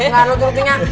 nggak ada lucu lucunya